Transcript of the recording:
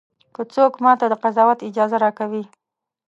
که څوک ماته د قضاوت اجازه راکوي.